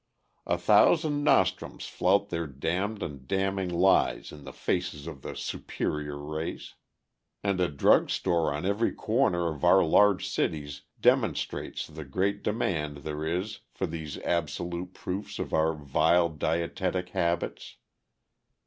A thousand nostrums flout their damned and damning lies in the faces of the "superior race"! And a drug store on every corner of our large cities demonstrates the great demand there is for these absolute proofs of our vile dietetic habits.